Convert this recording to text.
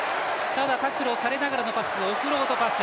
ただタックルをされながらのパスオフロードパス。